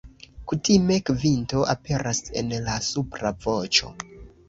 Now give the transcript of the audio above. Kutime kvinto aperas en la supra voĉo.